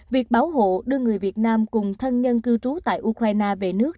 việc bảo hộ đưa người việt nam cùng thân nhân cư trú tại ukraine về nước